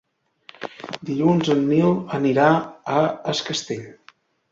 Dilluns en Nil anirà a Es Castell.